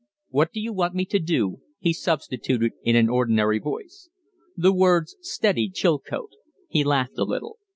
"What do you want me to do?" he substituted, in an ordinary voice. The words steadied Chilcote. He laughed a little.